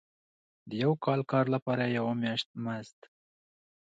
د یو کال کار لپاره یو میاشت مزد.